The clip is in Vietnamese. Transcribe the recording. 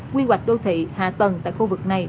quy hoạch đô thị hạ tầng tại khu vực này